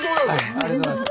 ありがとうございます。